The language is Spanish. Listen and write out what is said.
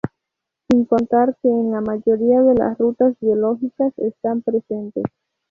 Sin contar que en la mayoría de las rutas biológicas están presentes.